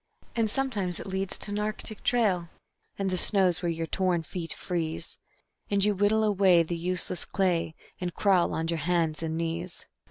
And sometimes it leads to an Arctic trail, and the snows where your torn feet freeze, And you whittle away the useless clay, and crawl on your hands and knees.